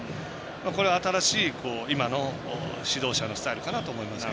これが新しい今の指導者のスタイルかなと思います。